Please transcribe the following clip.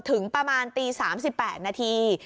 ถึงประมาณตี๓๘นาที